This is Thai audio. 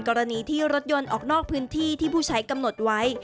กรณีที่รถยนต์ออกนอกพื้นที่ที่ผู้ใช้กำหนดไว้